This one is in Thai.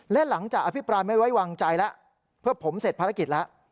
และหลังจากอภิปรายไม่ไว้วางใจแล้วเพื่อผมเสร็จภารกิจแล้ว